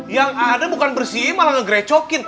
yang ada bukan bersih malah ngegrecokin